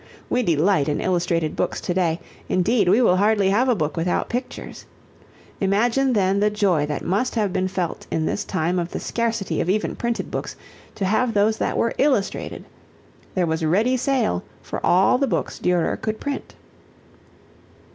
We delight in illustrated books to day, indeed we will hardly have a book without pictures. Imagine then the joy that must have been felt in this time of the scarcity of even printed books to have those that were illustrated. There was ready sale for all the books Durer could print.